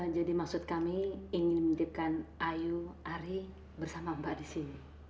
jadi maksud kami ingin menjadikan ayu ari bersama mbak di sini